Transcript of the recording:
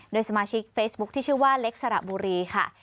โดยสมาชิกเฟซบุ๊คที่ชื่อว่าเล็กสระบุรีค่ะ